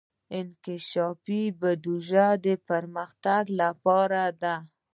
انکشافي بودجه د پرمختګ لپاره ده